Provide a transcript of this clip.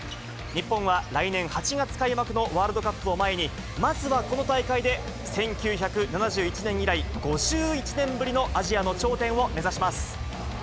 日本は来年８月開幕のワールドカップを前に、まずはこの大会で、１９７１年以来５１年ぶりのアジアの頂点を目指します。